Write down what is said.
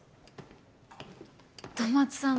・戸松さん